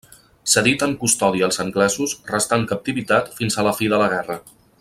Cedit en custòdia als anglesos, restà en captivitat fins a la fi de la guerra.